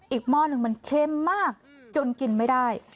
หม้อหนึ่งมันเข้มมากจนกินไม่ได้